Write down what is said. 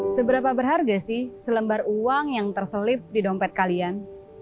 seberapa berharga sih selembar uang yang terselip di dompet kalian